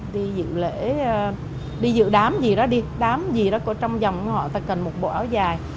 đi dự lễ đi dự đám gì đó đi đám gì đó có trong dòng họ ta cần một bộ áo dài